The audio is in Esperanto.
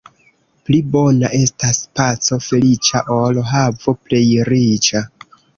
Pli bona estas paco feliĉa, ol havo plej riĉa.